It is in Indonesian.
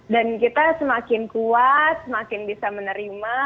dan kita semakin kuat semakin bisa menerima